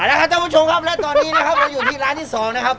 อันนี้นะครับเจ้าผู้ชมครับและตอนนี้นะครับเราอยู่ที่ร้านที่สองนะครับ